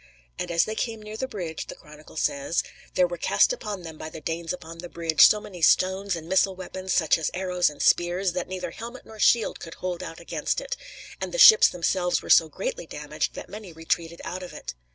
And as they came near the bridge, the chronicle says: "There were cast upon them, by the Danes upon the bridge, so many stones and missile weapons, such as arrows and spears, that neither helmet nor shield could hold out against it; and the ships themselves were so greatly damaged that many retreated out of it."